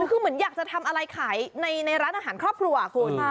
คือเหมือนอยากจะทำอะไรขายในร้านอาหารครอบครัวคุณ